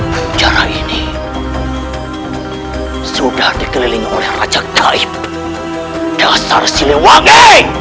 punjara ini sudah dikelilingi oleh raja gaib dasar siliwangi